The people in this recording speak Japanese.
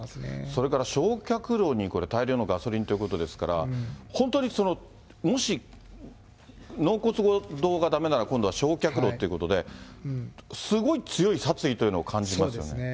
それから焼却炉に、これ、大量のガソリンということですが、本当にもし納骨堂がだめなら、今度は焼却炉ということで、すごい強い殺意というのを感じますよね。